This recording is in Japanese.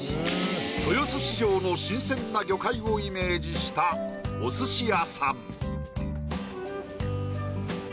豊洲市場の新鮮な魚介をイメージしたお寿司屋さん。